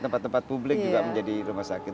tempat tempat publik juga menjadi rumah sakit